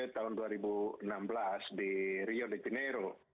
tahun dua ribu enam belas di rio de janeiro